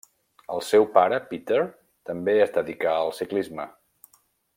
El seu pare Peter també es dedicà al ciclisme.